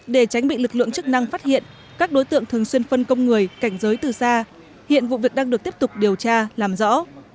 để tránh bị lực lượng chức năng phát hiện các đối tượng thường xuyên phân công người cảnh giới từ xa hiện vụ việc đang được tiếp tục điều tra làm rõ